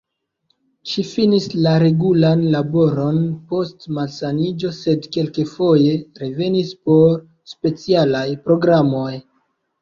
Ŝi finis la regulan laboron post malsaniĝo sed kelkfoje revenis por specialaj programoj.